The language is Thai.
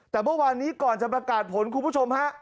แต่เมื่อวานนี้ก่อนจะประกาศผลคุณผู้ชมฮะ